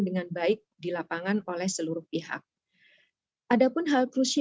dan juga kebanyakan bidang perusahaan terkait perusahaan terkait perusahaan